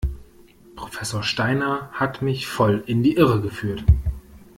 Professor Steiner hat mich voll in die Irre geführt.